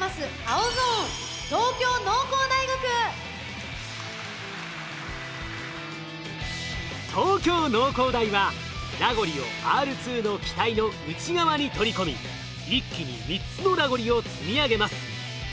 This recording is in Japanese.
青ゾーン東京農工大はラゴリをＲ２の機体の内側に取り込み一気に３つのラゴリを積み上げます。